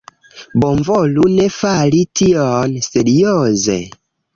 Bonvolu ne fari tion. Serioze!